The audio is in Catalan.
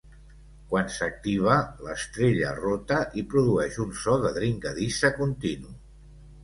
Quan s'activa, l'estrella rota i produeix un so de dringadissa continu.